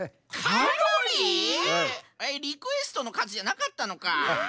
リクエストのかずじゃなかったのか。